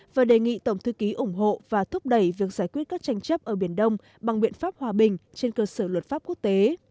và đề nghị tổng thư ký ủng hộ và thúc đẩy việc giải quyết các tranh chấp ở biển đông bằng biện pháp hòa bình trên cơ sở luật pháp quốc tế